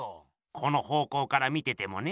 この方向から見ててもね。